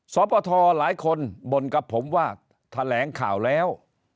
สปทหลายคนบ่นกับผมว่าแถลงข่าวแล้ว